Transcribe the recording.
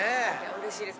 うれしいです。